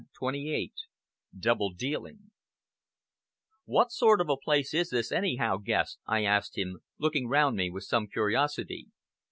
CHAPTER XXVIII DOUBLE DEALING "What sort of a place is this, anyhow, Guest?" I asked him, looking round me with some curiosity.